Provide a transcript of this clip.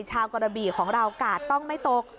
กระบี่ของเรากาดต้องไม่ตก